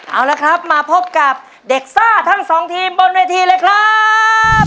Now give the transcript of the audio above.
เอาละครับมาพบกับเด็กซ่าทั้งสองทีมบนเวทีเลยครับ